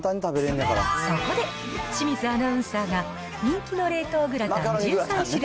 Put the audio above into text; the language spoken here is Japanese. そこで清水アナウンサーが、人気の冷凍グラタン